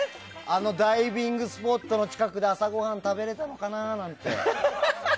あのダイビングスポットの近くで朝ごはん食べれたのかなって。